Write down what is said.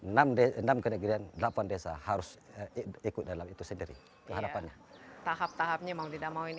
enam kenegirian delapan desa harus ikut dalam itu sendiri harapannya tahap tahapnya mau tidak mau ini